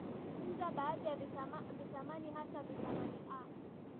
nza baadhi ya vitamani hasa vitamini a